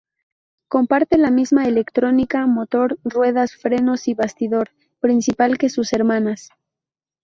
Comparte la misma electrónica, motor, ruedas, frenos y bastidor principal que sus hermanas.